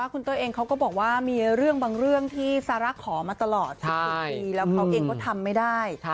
คุณเต้ยเองเขาก็บอกว่ามีเรื่องบางเรื่องที่ซาร่าขอมาตลอด๑๖ปีแล้วเขาเองก็ทำไม่ได้